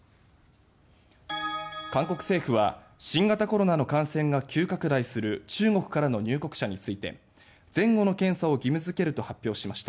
韓国政府は新型コロナの感染が急拡大する中国からの入国者について前後の検査を義務付けると発表しました。